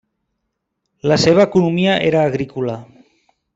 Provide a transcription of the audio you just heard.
La seva economia era agrícola.